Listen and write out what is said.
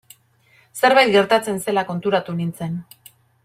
Zerbait gertatzen zela konturatu nintzen.